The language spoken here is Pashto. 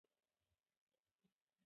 ږلۍ د دغې نرمې پاڼې غاړه نه شي ماتولی.